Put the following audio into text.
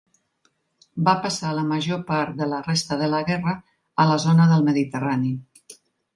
Va passar la major part de la resta de la guerra a la zona del Mediterrani.